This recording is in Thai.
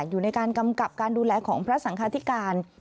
อยู่ในการกำกับการดูแลของพระสังคาธิการ